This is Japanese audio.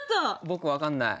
僕分かんない。